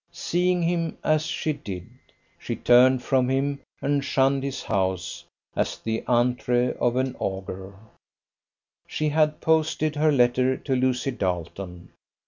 Seeing him as she did, she turned from him and shunned his house as the antre of an ogre. She had posted her letter to Lucy Darleton.